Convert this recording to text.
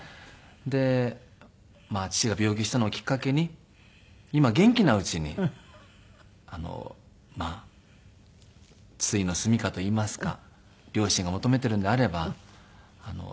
で父が病気したのをきっかけに今元気なうちにまあ終の住み家といいますか両親が求めているのであればやらせてもらいたいなと。